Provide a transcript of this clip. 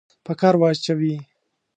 په کار واچوي.